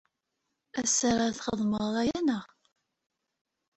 Ass-a ara txedmeḍ aya, neɣ?